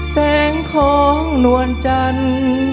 แสงของนวลจันทร์